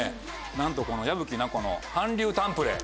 なんとこの矢吹奈子の韓流誕プレ。